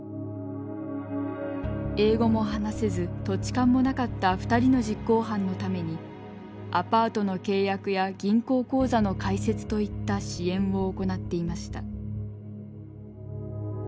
英語も話せず土地勘もなかった２人の実行犯のためにアパートの契約や銀行口座の開設といった支援を行っていました。